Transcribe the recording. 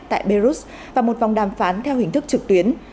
tại belarus và một vòng đàm phán theo hình thức trực tuyến